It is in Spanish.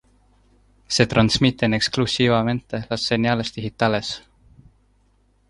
Se transmiten exclusivamente las señales digitales.